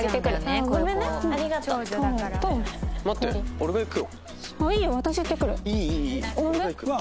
俺が行く。